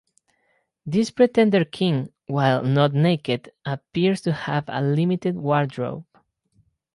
This pretender King, while not naked, appears to have a limited wardrobe.